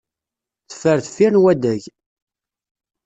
Teffer deffir n waddag.